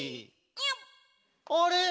「あれ！